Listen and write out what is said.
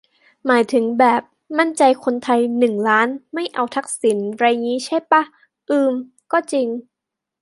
หมายถึงแบบ "มั่นใจคนไทยหนึ่งล้านไม่เอาทักษิณ" ไรงี้ใช่ป่ะ อืม ก็จริง